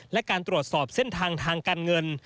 และการตรวจสอบเส้นทางทางการเงิน